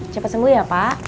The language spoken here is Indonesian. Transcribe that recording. cepat sembuh ya pak